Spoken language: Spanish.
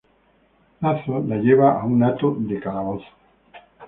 Lazo la lleva a un hato de Calabozo.